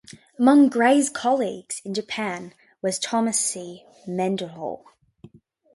Among Gray's colleagues in Japan was Thomas C. Mendenhall.